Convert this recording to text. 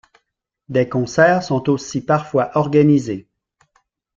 Des concerts sont aussi parfois organisés.